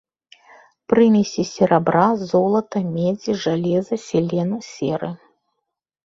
Прымесі серабра, золата, медзі, жалеза, селену, серы.